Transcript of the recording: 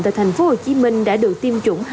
tại thành phố hồ chí minh đã được tiêm chủng